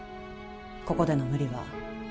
ここでの無理は